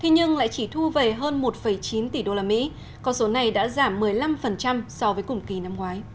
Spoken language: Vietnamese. nhưng lại chỉ thu về hơn một chín tỷ usd con số này đã giảm một mươi năm so với cùng kỳ năm ngoái